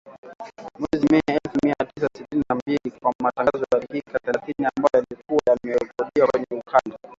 Mwezi Mei elfu mia tisa sitini na mbili kwa matangazo ya dakika thelathini ambayo yalikuwa yamerekodiwa kwenye ukanda